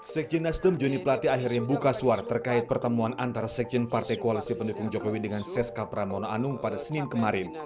sekjen nasdem joni plate akhirnya buka suara terkait pertemuan antara sekjen partai koalisi pendukung jokowi dengan seska pramono anung pada senin kemarin